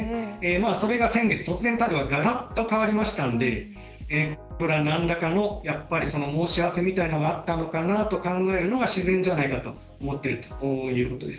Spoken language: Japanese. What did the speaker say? それが先月突然、がらっと変わりましたんでこれは何らかの申し合わせみたいなのがあったのかなと考えるのが自然じゃないかと思っているということです。